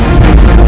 aku akan menang